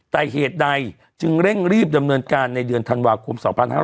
แต่เหตุใดจึงเร่งรีบดำเนินการในเดือนธันวาคม๒๕๕๙